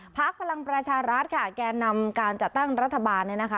พลังประชารัฐค่ะแก่นำการจัดตั้งรัฐบาลเนี่ยนะคะ